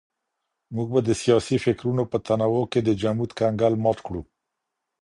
موږ به د سياسي فکرونو په تنوع کي د جمود کنګل مات کړو.